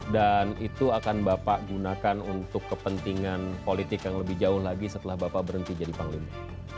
itu akan bapak gunakan untuk kepentingan politik yang lebih jauh lagi setelah bapak berhenti jadi panglima